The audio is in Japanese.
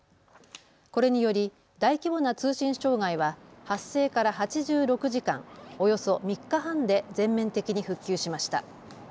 これにより大規模な通信障害は発生から８６時間、およそ３日半で全面的に復旧しました。